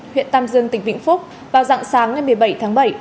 huyện tam dương tỉnh vĩnh phúc vào dạng sáng ngày một mươi bảy tháng bảy